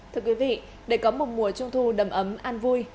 thưa quý vị để có một mùa trung thu đầm ấm an vui